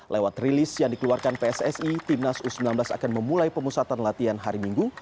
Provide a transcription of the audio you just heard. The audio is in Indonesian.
lewat rilis yang dikeluarkan pssi timnas u sembilan belas akan memulai pemusatan latihan hari minggu